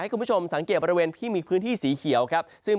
คุณผู้ชมสังเกตบริเวณที่มีพื้นที่สีเขียวครับ